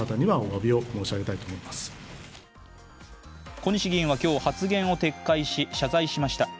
小西議員は今日発言を撤回し、謝罪しました。